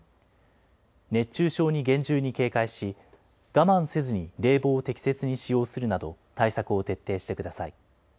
熱中症に厳重に警戒し、我慢せずに冷房を適切に使用するなど、対策を徹底してください。